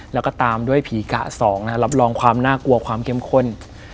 แล้วก็ตามด้วยผีกะสองนะครับรับรองความน่ากลัวความเข้มข้น